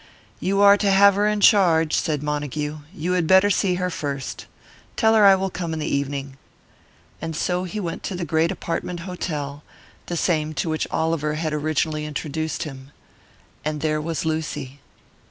"You are to have her in charge," said Montague; "you had better see her first. Tell her I will come in the evening." And so he went to the great apartment hotel the same to which Oliver had originally introduced him. And there was Lucy.